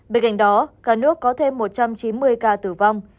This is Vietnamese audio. bên cạnh đó cả nước có thêm một trăm chín mươi ca tử vong